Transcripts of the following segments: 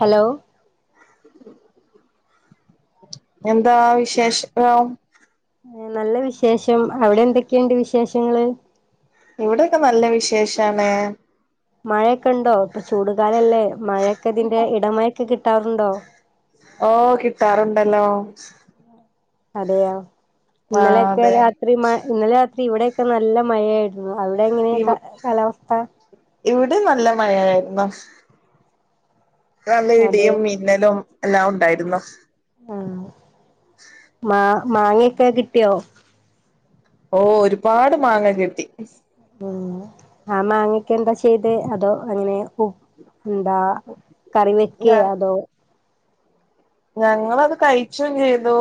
Hello? എന്താ വിശേഷം? നല്ല വിശേഷം. അവിടെ എന്തൊക്കെയുണ്ട് വിശേഷങ്ങള്? ഇവിടെയൊക്കെനല്ല വിശേഷാണ്. മഴയൊക്കെ ഉണ്ടോ? ഇപ്പ ചൂടുകാലല്ലേ മഴയൊക്കെ ഇതിന്റെ ഇടമഴയൊക്കെ കിട്ടാറുണ്ടോ? ഓ കിട്ടാറുണ്ടല്ലോ. അതെയോ ആ ഇന്നലെയൊക്കെ അതെ രാത്രി മ ഇന്നലെ രാത്രി ഇവിടെയൊക്കെ നല്ല മഴയായിരുന്നു. അവിടെ എങ്ങനെ കാലാവസ്ഥ? ഇവിടെയും നല്ല മഴായായിരുന്നു. നല്ല അതെ ഇടിയും മിന്നലും എല്ലാം ഉണ്ടായിരുന്നു. ഉം മാ മാങ്ങയൊക്കെ കിട്ടിയോ? ഓ ഒരുപാട് മാങ്ങ കിട്ടി. പിന്നെ ആ മാങ്ങയൊക്കെ എന്താ ചെയ്തേ അതോ ഉ അങ്ങനെ എന്താ കറിവെക്കെ ഞ അതോ ഞങ്ങളത് കഴിച്ചും ചെയ്തു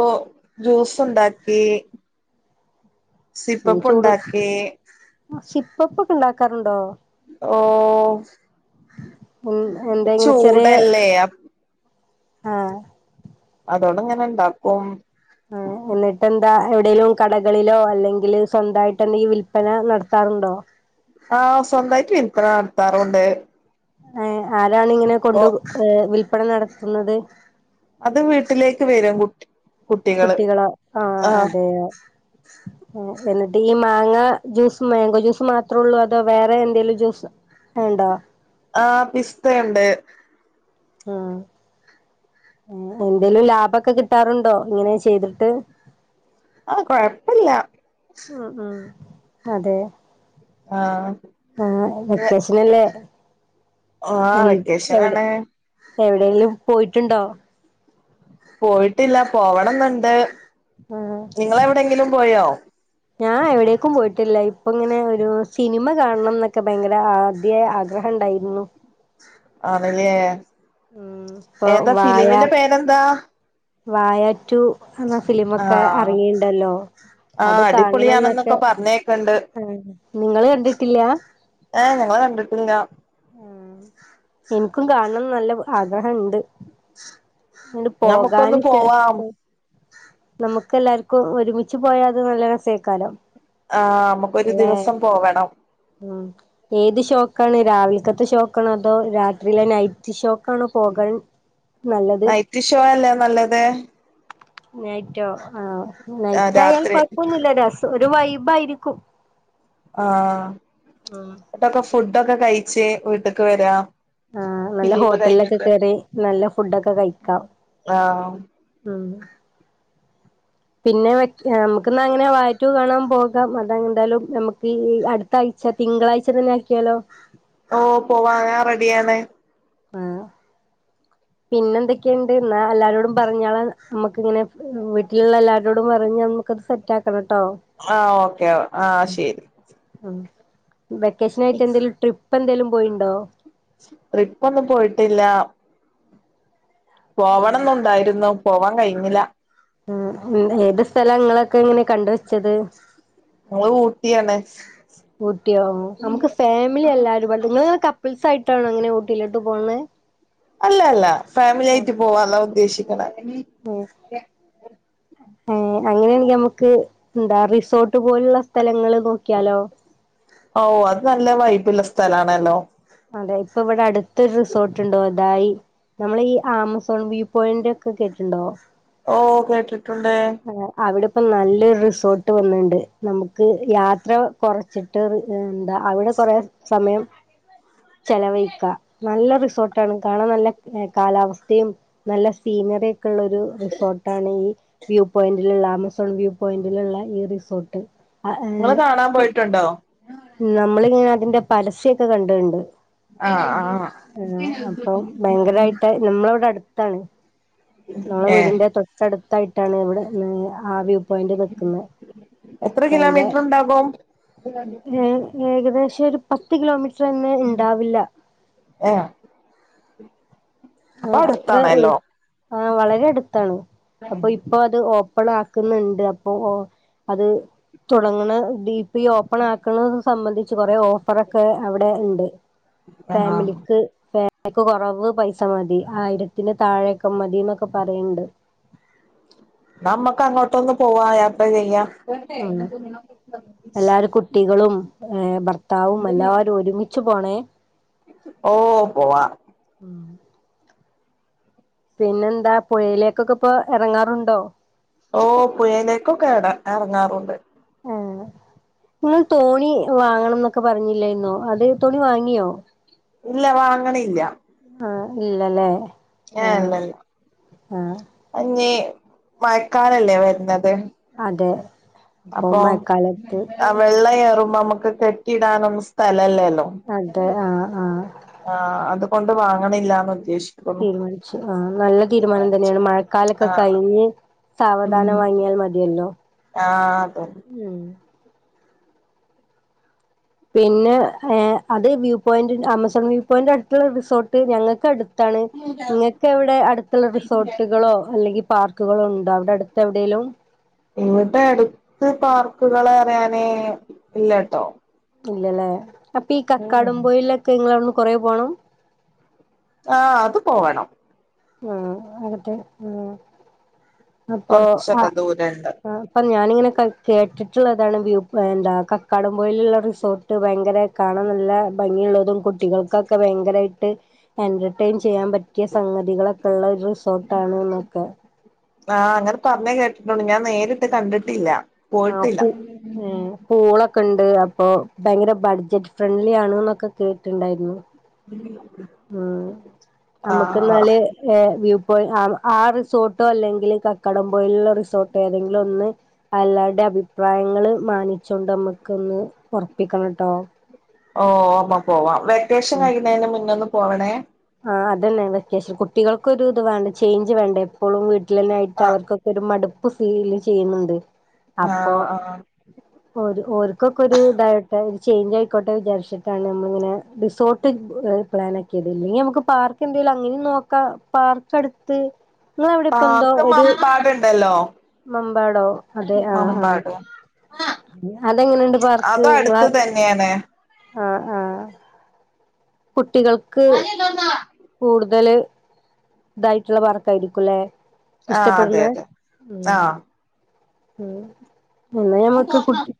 ജ്യൂസ് ഉണ്ടാക്കി. ഈ സിപ്പപ്പ് ചൂട് ഉണ്ടാക്കി സിപ്പപ്പൊക്കെ ഉണ്ടാക്കാറുണ്ടോ? ഓ എന്ത എന്തങ്കിലും ചെറിയ ചൂടല്ലേ ആ അതോണ്ടിങ്ങനെ ഇണ്ടാക്കും. ആ എന്നിട്ട് എന്താ എവിടെലും കടകളിലോ അല്ലെങ്കില് സ്വന്തയിട്ട് എന്തെലും വിൽപന നടത്താറുണ്ടോ? ആ സ്വന്തായിട്ട് വില്പന നടത്താറുണ്ട്. ഏ ആരാണ് ഇങ്ങനെ കൊണ്ട് ഓ ഏ വിൽപ്പന നടത്തുന്നത്? അത് വീട്ടിലേക്ക് വരും കുട്ടി കുട്ടികള് ആ ആഹ് അതെയോ. [unintelligible] എന്നിട്ട് ഈ മാങ്ങ ജ്യൂസ് മാങ്കോ ജ്യൂസ് മാത്ര ഉള്ളൂ അതോ വേറെ എന്തെലും ജ്യൂസ് - - ഉണ്ടോ? ആ പിസ്തയുണ്ട്. ഉം എന്തേലും ലാഭക്കെ കിട്ടാറുണ്ടോ ഇങ്ങനെ ചെയ്തിട്ട്? ആ കൊഴപ്പില്ല. ഉം, ഉംഅതെ ആഹ് ആ വെക്കേഷ നല്ലേ ആഹ് എന്ത് എവിടെ വെക്കേഷനാണ് എവിടെയെങ്കിലും പോയിട്ടുണ്ടോ? പോയിട്ടില്ല പോവണം എന്നുണ്ട്. നിങ്ങള് എവിടെങ്കിലും പോയോ? ഞാ ൻ എവിടേക്കും പോയിട്ടില്ല. ഇപ്പ ഇങ്ങനെ ഒരു സിനിമ കാണണം എന്നൊക്കെ ഭയങ്കര അദിയായ ആഗ്രഹം ഉണ്ടായിരുന്നു. ആണല്ലേ. ഉം ഇപ്പൊ ഏതാ ഫിലിമിന്റെ പേരെന്താ? വായാ റ്റു എന്ന ഫിലിമൊക്കെ ആഹ് എറങ്ങിണ്ടല്ലോ? അത് ആഹ് കാണണം എന്നൊക്കെ. അടിപൊളിയാണെന്നൊക്കെ പറഞ്ഞേക്കണ്ട് ആ നിങ്ങള് കണ്ടിട്ടില്ല? ഹ് ഞങ്ങള് കണ്ടിട്ടില്ല. ആ എനിക്കും കാണണം നല്ല ആഗ്രഹം ഉണ്ട്. ഇങ്ങട് പോകാൻ ഞമ്മുക്കൊന്ന് ചെ പോവാം നമുക്ക് എല്ലാർക്കും ഒരുമിച്ച് പോയാ അത് നല്ല രസേയ്ക്കാരം ആ നമുക്ക് ഒരു ദിവസം പോവണം. ഉം ഏത് ഷോയ്ക്കാണ് രാവിലത്തെ ഷോക്കാണോ അതോ രാത്രിയിലെ നൈറ്റ് ഷോ നൈറ്റ് ഷോ അല്ലേ നല്ലത് നൈറ്റോ ആ ആഹ് നൈറ്റ് ആയാൽ രാത്രി കൊഴപ്പൊന്നു ഇല്ല രസം ഒരു വൈബായിരിക്കും ആഹ് ഉം എന്നിട്ടൊക്കെ ഫുഡൊക്കെ കഴിച്ച് വീട്ടക്ക് വരാം ആ നല്ല ഹോട്ടലൊക്കെ കേറി നല്ല ഫുഡൊക്കെ കഴിക്കാം ആഹ് ഉം പിന്നെ നമുക്കിന്ന് അങ്ങനെ വാ ഴ ടു കാണാൻ പോകാം അതാ എന്തായാലും നമുക്ക് അടുത്താഴ്ച തിങ്കളാഴ്ച തന്നെ ആക്കിയാലോ ഓ പോവാം ഞാൻ റെഡിയാണ് ആഹ് പിന്നെ എന്തൊക്കെയുണ്ട് എന്നാ എല്ലാരോടും പറഞ്ഞാള് നമ്മുക്ക് ഇങ്ങനെ വീട്ടിലുള്ള എല്ലാവരോടും പറഞ്ഞ് നമുക്കത് സെ സെറ്റ് ആക്കണം ട്ടോ ആ ഓക്കെ ആ ശരി ഉം വെക്കേഷൻ ആയിട്ട് എന്തെലും ട്രിപ്പ് എന്തേലും പോയിണ്ടോ ട്രിപ്പ് ഒന്നും പോയിട്ടില്ല പോവണമെന്നുണ്ടായിരുന്നു പോവാൻ കഴിഞ്ഞില്ല ഉം ഏത് സ്ഥലംങ്ങളൊക്കെ എങ്ങനെ കണ്ടുവെച്ചത് ഞങ്ങള് ഊട്ടിയാണ് ഊട്ടിയോ നമുക്ക് ഫാമിലി എല്ലാവരും പാടെ നിങ്ങള് കപ്പിൾസ് ആയിട്ടാണോ അങ്ങനെ ഊട്ടിയിലോട്ട് പോകുന്നത് അല്ല അല്ല ഫാമിലി ആയിട്ട് പോവാ എന്നാ ഉദ്ദേശിക്ക്ണ ഏ അങ്ങനെയാണെങ്കിൽ നമുക്ക് എന്താ റിസോർട്ട് പോലുള്ള സ്ഥലങ്ങള് നോക്കിയാലോ ഓ അത് നല്ല വൈബ് ഉള്ള സ്ഥലാണല്ലോ അതെ ഇപ്പൊ ഇവിടെ അടുത്തൊരു റിസോർട്ട് ഉണ്ട് ഒതായി നമ്മൾ ഈ ആമസോൺ വ്യൂ പോയിന്റ് ഒക്കെ കേട്ടിണ്ടോ ഓ കേട്ടിട്ടുണ്ട് അവിടെ ഇപ്പം നല്ലൊരു റിസോർട്ട് വന്ന്ണ്ട് നമുക്ക് യാത്ര കുറച്ചിട്ട് എന്താ അവിടെ കുറേ സമയം ചെലവഴിക്ക നല്ല റിസോർട്ടാണ് കാണാൻ നല്ല കാലാവസ്ഥയും നല്ല സീനറി ഒക്കെ ഉള്ള ഒരു റിസോർട്ടാണ് ഈ വ്യൂ പോയിന്റിലുള്ള ആമ വ്യൂ പോയിന്റിലുള്ള ഈ റിസോർട്ട് ആ നിങ്ങള് കാണാൻ പോയിട്ടുണ്ടോ നമ്മളി ഇങ്ങനെ അതിന്റെ പരസ്യ ഒക്കെ കണ്ട്ണ്ട് ആഹ് ആഹ് ആഹ അപ്പൊ ഭയങ്കരായിട്ട് നമ്മള് ഇവിടെ അടുത്താണ് നമ്മളെ ഏഹ് വീടിന്റെ തൊട്ടടുത്തായിട്ടാണ് ഇവിടെ ആ വ്യൂ വ്യൂ പോയിന്റ് നിൽക്കുന്നത് എത്ര ഇപ്പൊ അയിന്റെ കിലോമീറ്റർ ഉണ്ടാകും ഏ ഏകദേശം ഒരു പത്ത് കിലോമീറ്റർ തന്നെ ഉണ്ടാവില്ല ആഹ് അത്ര ആ വളരെ അടുത്താണ് അപ്പൊ അപ്പോ അത് ഓപ്പണാക്ക്ന്ന്ണ്ട് അപ്പോ ഓ അത് തൊടങ്ങ്ണെ ഡി ഈ ഓപ്പണാക്കുന്നത് സംബന്ധിച്ച് കൊറേ ഓഫറൊക്കെ അവടെ ഇണ്ട് ആഹ് ഫാമിലി ക്ക് [unintelligible] കൊറവ് പൈസ മതി ആയിരത്തില് താഴേക്കെ മതി ന്നൊക്കെ പറീണ്ട്. ന്ന അമ്മക്ക് അങ്ങോട്ടൊന്നെ പോവാ യാട്ടാ [unintelligible] ഉം എല്ലാരും കുട്ടികളും ഏഹ് ഭർ ത്താവും എല്ലാരൊര്മിച്ച് പോണോ? ഓഹ് പോവാ ഉം പിന്നെന്താ പുഴയിലേക്കൊക്കെപ്പൊ എറങ്ങാറ്ണ്ടോ? ഓഹ് പുഴയിലേക്കൊക്കെട എറങ്ങാറുണ്ട്. ഉം ഇങ്ങള് തോണി വാങ്ങണം ന്നൊക്കെ പർഞ്ഞില്ലേന്നോ അത് തോണി വാങ്ങ്യോ? ഇല്ല വാങ്ങ്ണില്ല. ആഹ് ഇല്ലല്ലേ ഏഹ് ആഹ് അല്ലല്ല ആഹ് അത് ഞീ മയക്കാലല്ലേ വെര്ന്നത് അതൊ അപ്പൊ ആ വെള്ളം ന്നറിമ്പോ അമ്മക്ക് കെട്ടിടാനൊന്നും സ്ഥലല്ലല്ലോ. അതാ ആഹ് ആഹ് ആഹ് അത്കൊണ്ട് വാങ്ങ്ണില്ലാനുദ്ദേശി തീര്മാനിച്ചു ആഹ് നല്ല തീരുമാനം തന്നെണ് മഴക്കാലൊക്കെ ആ കഴിഞ്ഞ് സാവധാനം വാങ്ങ്യാ മത്യല്ലോ ആഹ് അതെന്നെ ഉം പിന്നെ എഹ് അത് വ്യൂ പോയിന്റ് ആമസോൺ വ്യൂ പോയിന്റട്ത്ത്ള്ള റിസോർട്ട് ഞങ്ങക്കട് താണ് ഇങ്ങക്കവടെ അട്ത്ത്ള്ള റിസോർട്ട്കളോ അല്ലെങ്കി പാർക്ക്കള്ണ്ടോ അവടെ അട്ത്തെവിടെലും ഇവട ട്ത്ത് പാർക്ക്കളറ്യാന് ഇല്ലട്ടോ ഇല്ലല്ലേ അപ്പൊ ഈ ഉം കക്കാടും പോയേലോക്കെ ഇങ്ങളട്ന്ന് കൊറേ പോണം. ആഹ് അത് പോവണം. ആഹ് അത് ഉം അപ്പൊ ആ കൊറച്ചൊക്കെ ദൂരണ്ട് ആഹ് അപ്പൊ ഞാനിങ്ങനെ കൾ കേട്ടിട്ടുള്ളതാണ് വ്യൂ പോയിൻ്റാ കക്കാടം പോയിലുള്ള റിസോർ ട്ട് ഭയങ്കര കാണാൻ നല്ല ഭംഗിള്ളൊരു [unintelligible] ട്ടികൾക്കൊക്കെ ഭയങ്കരായിട്ട് എന്റർടൈൻ ചെയ്യാൻ പ റ്റ്യാ സംഗതികളൊക്കെള്ള ഒര് റിസോർട്ടാണ് ന്നൊക്കെ ആഹ് അങ്ങനെ പർഞ്ഞേ കേട്ടിട്ടുണ്ട് ഞാൻ നേരിട്ട് കണ്ടിട്ടില്ല. ആഹ് പോയിട്ടില്ല പ്പ് ഉം പൂളൊക്കെണ്ട് അപ്പൊ ഭയങ്കര ബഡ്ജറ്റ് ഫ്രണ്ട്ല്യാണ് ന്നൊക്കെ കേട്ട്ണ്ടായിര്ന്നു. ഉം ആഹ് അമ്മക്ക്ന്നാല് ആഹ് വ്യൂ പോയിന്റ് ആ റിസോർട്ടോ അല്ലെങ്കില് കക്കടം പോയില്ള്ള റിസോർട്ടോ ഏതെങ്കിലൊന്ന് അല്ലാര്ടിം അഭിപ്രായങ്ങള് മാനിച്ചോണ്ടമ്മക്കൊന്ന് ഒർപ്പിക്കണട്ടോ ആഹ് അമ്മപോവാം വെക്കേഷൻ കയ്യ്ണേൻ്റെ മുന്നൊന്ന് പോവണേ. ആഹ് അതെന്നെ വെക്കേഷൻ കുട്ടികൾക്കൊരു ത് വാണ്ടേ ചെയ്ഞ്ച് വാണ്ടേ. എപ്പോളും വീട്ടിലെന്നായിട്ട് ആഹ് അവർക്കൊക്കൊരു മട്പ്പ് ഫീല് ചെയ്യ്ന്ന്ണ്ട് അപ്പോ ആഹ് ആഹ് ഓര് ഓര്ക്കൊക്കൊരു ഇതാ വാട്ടെ ഒര് ചെയ്ഞ്ചയിക്കോട്ടെ വിചാരിച്ചിട്ടാണ് നമ്മളിങ്ങനെ ഡിസോർട്ട് ഓര് പ്ലാനാക്ക്യാത ഇല്ലെങ്കി അ ക്ക് പാർക്ക് എന്തെിലും അങ്ങനെ നോക്കാം പാർക്ക് അടുത്ത് നിങ്ങളെ അവിടെപ്പോ എന്തോ പാർക്ക് ഒരു മമ്പാടുണ്ടല്ലോ മമ്പാടോ അതെ ആഹ് ആഹ് മമ്പാട് അതെങ്ങനെണ്ട് പാർക്ക് അത് അടുത്ത് തന്നെയാണ് ആഹ് ആഹ് കുട്ടികൾ അതന്തോന്ന [unintelligible] കൂടുതല് ഇതായിട്ടുള്ള പാർക്ക് ആയിരിക്കുംല്ലെ ആഹ് അതെ ഇഷ്ടപ്പെടുന്ന് അതെ ഉം ആഹ് ഉം ഇന്നാ ഞമ്മക്ക് കുട്ടി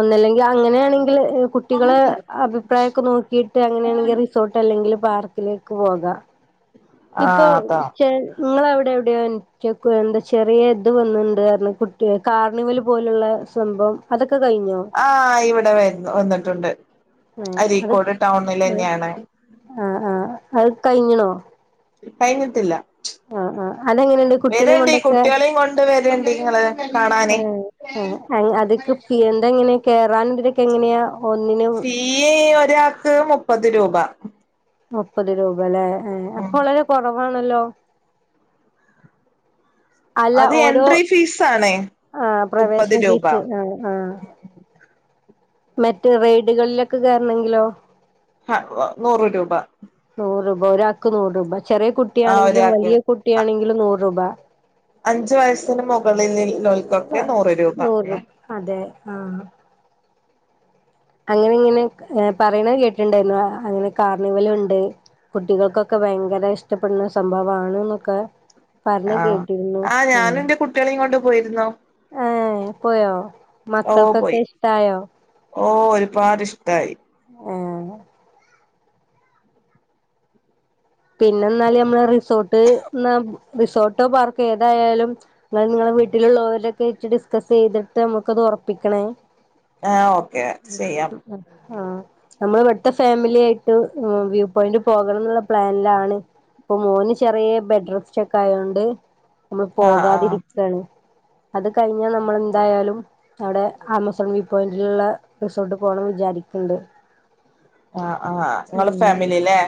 ഒന്നല്ലെങ്കിൽ അങ്ങനെയാണെങ്കിൽ കുട്ടികളെ അഭിപ്രായയോക്കെ നോക്കിയിട്ട് അങ്ങനെയാണെങ്കിൽ റിസോർട്ട് അല്ലെങ്കിൽ പാർക്കിലേക്ക് പോകാം ഇപ്പൊ ആഹ് അതാ [inaudible] ഇങ്ങളെ അവിടെ എവിടെയ എനി എന്താ ചെറിയ ഇത് വന്നിണ്ടെന്നു പറഞ്ഞു കുട്ടി കാർണിവൽ പോലുള്ള സംഭവം അതൊക്കെ കഴിഞ്ഞോ ആ ഇവിടെ വന്നിട്ടുണ്ട് ഏഹ് അത് അരീക്കോട് ടൗണിലെന്നെയാണ് ആഹ് ആഹ് കഴിഞ്ഞ്ണോ കഴിഞ്ഞിട്ട്ല്ല ആഹ് അതെങ്ങനെയുണ്ട് കുട്ടികളെയും വെരണ്ടി കൊണ്ടൊക്കെ കുട്ടികളെയും കൊണ്ട് വെരണ്ടി നിങ്ങള് കാണാന് ആ അതിലേക്ക് [inaudible] എങ്ങനെയാ കേറൻ ഇതൊക്കെ എങ്ങനെയാ ഒന്നിന് ഫീ ഒരാൾക്ക് മുപ്പത് രൂപ മുപ്പത് രൂപ അല്ലേ ഏ അപ്പൊ ഉം വളരെ കുറവാണല്ലോ [inaudible] അല്ല അത് ഓരോ എൻട്രി ഫീസ് ആണ് ആ മുപ്പത് പ്രവേശൻ രൂപ ഫീസ് ആഹ് ആഹ് മറ്റ് റെയ്ഡുകളിലൊക്കെ കയറണമെങ്കിലോ ആഹ് നൂറ് രൂപ നൂറ് രൂപ ഒരാൾക്ക് നൂറ് രൂപ ചെറിയ ആ കുട്ടിയാണെങ്കിലും ഒരാൾക്ക് വലിയ കുട്ടിയാണെങ്കിലും നൂറ് രൂപ അഞ്ചു വയസ്സിന് മുകളിലക്കൊക്കെ നൂറ് രൂപ നൂറ് അതെ ആഹ് അങ്ങനെ ഇങ്ങനെ പറയണ കേട്ടിട്ടുണ്ടായിരുന്നു അങ്ങനെ കാർണിവല ഉണ്ട് കുട്ടികൾക്കൊക്കെ ഭയങ്കര ഇഷ്ടപ്പെടുന്ന സംഭവമാണ് എന്നൊക്കെ പറഞ്ഞു കേട്ടിരുന്നു ആഹ് കുട്ടികളെ കൊണ്ടുപോയിരുന്നു ആഹ് പോയോ ഓ മക്കൾക്കൊക്കെ പോയി ഇഷ്ടായോ ഓ ഒരുപാട് ഇഷ്ടായി ആഹ് പിന്നെ എന്നാല നമ്മള റിസോർട്ട് റിസോർട്ടോ പാർക്ക് ഏതായാലും നിങ്ങ നിങ്ങളെ വീട്ടിലുള്ളവരൊക്കെ ഇട്ട ഡിസ്കസ് ചെയ്തിട്ട് നമ്മുക്കത് ഉറപ്പിക്കണേ ആഹ് ഓക്കെ ഉം ചെയ്യാം ആഹ് നമ്മൾ ഇവിടുത്തെ ഫാമിലി ആായിട്ട് വ്യൂ പോയിന്റ് പോകണം എന്നുള്ള പ്ലാനിലാണ് ഇപ്പൊ മോന് ചെറിയ ബെഡ് റെസ്റ്റ് ഒക്ക ആയോണ്ട് നമ്മൾ ആഹ് ആഹ് പോകാതിരിക്കയാണ് അത് കഴിഞ്ഞൽ നമ്മൾ എന്തായാലും അവിടെ ആമസോൺ വ്യൂ പോയിന്റിലുള്ള റിസോർട്ട് പോണം വിചാരിക്കണ്ട് ആഹ് ആഹ നിങ്ങള് ഫാമിലില്ലേ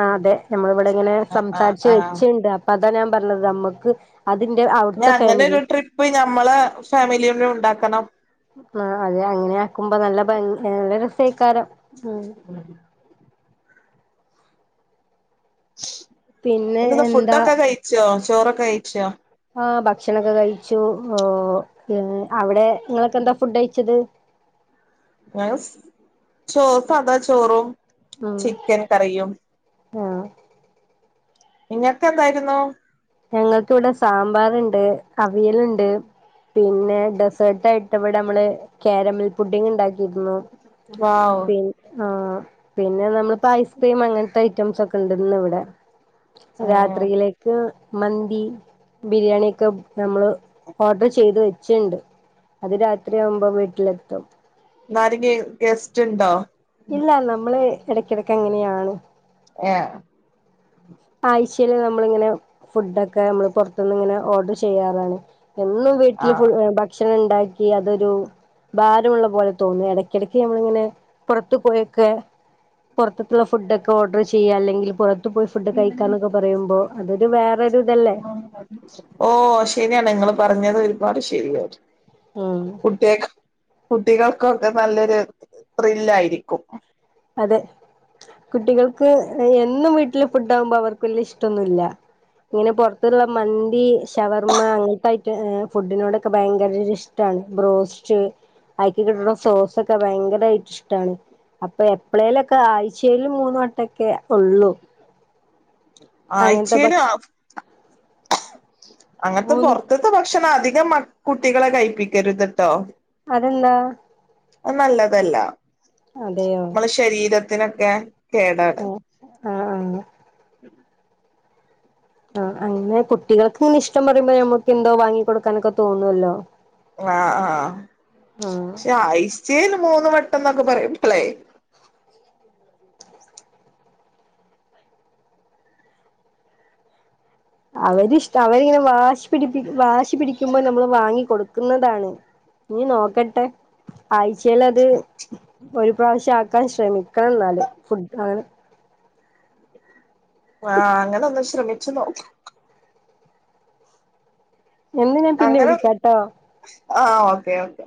ആ അതെ നമ്മള ഇവിടെ ഇങ്ങനെ ആഹ് ആഹ് സംസാരിച്ച് ആഹ് വെച്ചുണ്ട് അപ്പൊ അതാ ഞാൻ പറഞ്ഞത് നമ്മുക്ക് ഞ അങ്ങനെരു ട്രിപ്പ് ഞമ്മളെ ഫാമിലിയിലും ഉണ്ടാക്കണം ആ അത് അങ്ങനെ ആക്കുമ്പോ നല്ല ഭംഗ നല്ല രസേക്കാരം ഉ പിന്നെ എന്നന്താ എന്താ ഫുഡൊക്കെ കഴിച്ചോ ചോറൊക്കെ കഴിച്ചോ ആ ഭക്ഷണൊക്കെ കഴിച്ചു ഉം അവിടെ ങ്ങളൊക്കെന്താ ഫുഡ് കഴിച്ചത് ചോ സാധാ ചോറും ചിക്കൻ കറിയും ആഹ ഇന്നത്തെഎന്തായിരുന്നു ഞങ്ങൾക്ക് വിടെ സാമ്പാറ്ണ്ട് അവിയലുണ്ട് പിന്നെ ഡെസേർട്ട ആയിട്ട് ഇവിടെ നമ്മള് കാരമിൽ പുഡിംഗ്ഉണ്ടാക്കി വൗ പി ആ പിന്നെ നമ്മളിപ്പോ ഐസ്ക്രീം അങ്ങനെ ത്തെ ഐറ്റംസ് ഒക്കെ ഉണ്ടന്ന് ഇവിടെ ആഹ് രാത്രിയിലേക്ക് മന്തി ബിരിയാണി ഒക്കെ നമ്മള് ഓർഡർ ചെയ്ത് വെച്ചിണ്ട് അത് രാത്രിയാവുമ്പോ വീട്ടിലെത്തും ഇന്നാരങ്കിഗസ്റ്റ് ഉണ്ടോ ഇല്ല നമ്മള് ഇടക്കിടക്ക് അങ്ങനെയാണ് ഏ ആഴ്ചൽ നമ്മളിങ്ങനെ ഫുഡൊക്കെ നമ്മള് പുറത്ത നിന്ന് ഇങ്ങനെ ഓർഡർ ചെയ്യാറാണ് എന്നും വീട്ടില് ഫ ആഹ് ഭക്ഷണം ഉണ്ടാക്കി അതൊരു ഭാരമുള്ള പോലെ തോന്നി ഇടക്കിടക്ക് നഞമ്മളിങ്ങനെ പുറത്തു പോയൊക്കെ പുറത്ക്കുള്ള ഫുഡ് ഒക്കെ ഓർഡർ ചെയ്യ അല്ലെങ്കിൽ പുറത്തത്ത് പോയി ഫുഡ് കഴിക്കാന്നൊക്കെ പറയുമ്പോ അതൊരു വേറെൊ ഒരു ഇതല്ലേ ഓ ശരിയാണ് നിങ്ങള്ൾ പറഞ്ഞത് ഒരുപാട് ശരിയായി ഉം കുട്ടി കുട്ടികൾക്കൊക്കെ നല്ലൊരു ത്രില്ലായിരിക്കും അതെ കുട്ടികൾക്ക് എന്നും വീട്ടില് പുട്ട് ആകുമ്പോ അവർക്ക് വല്ല്യ ഇഷ്ടൊന്നുല്ല ഇങ്ങനെ പുറത്തുള്ള മന്തി ഷവർമ്മ അങ്ങനത്തെ ഐറ്റം ഫുഡിനോടൊക്കെ ഭയങ്കരരിഷ് ടാണ് ബ്രോസ്റ്റ് അക്കി കിട്ടുന്ന സോസൊക്കെ ഭയങ്കരമായി ഇഷ്ടമാണ് അപ്പ എപ്പളേലൊക്കെ ആഴ്ചേൽ മൂന്ന് വട്ടൊക്കെ ഉള്ളു ഭക്ഷ ആഴ്ച്ചേലാ അങ്ങനത്തെ മൂന്ന് പൊറത്തത്തെ ഭക്ഷണം അധികം മ കുട്ടികളെ കഴിപ്പിക്കരുത്ട്ടോ അതെന്താ അത് നല്ലതല്ല അതേയോ നമ്മളെ ശരീരത്തിനൊക്കെ കേടാണ് ആ ആ ആ അങ്ങനെ കുട്ടികൾക്ക് ഇഷ്ടം പറയുമ്പോ ഞമ്മക്ക് എന്തോ വാങ്ങി കൊടുക്കാനൊക്കെ തോന്നുവല്ലോ ആ ആ ആഹ് പക്ഷെ ആഴ്ച്ചേല് മൂന്ന് വട്ടം എന്നൊക്കെ പറയുമ്പളേ... അവന്റിഷ്ടം അവനിങ്ങനെ വാശി പിടിപി വാശി പിടിക്കുമ്പോൾ നമ്മൾ വാങ്ങി കൊടുക്കുന്നതാണ് ഇനി നോക്കട്ടെ ആഴ്ചേൽ അത് ഒരു പ്രാവശ്യം ആക്കാൻ ശ്രമിക്കണം എന്നാല് ഫുഡ് ആണ് ആ അങ്ങനെ ഒന്ന് ശ്രമിച്ചു നോക്ക് എന്ന ഞാൻ പിന്നെ വിളിക്കാട്ടോ ആ ഓക്കെ ഓക്കെ